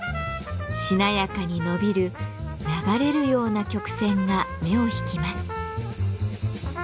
しなやかに伸びる流れるような曲線が目を引きます。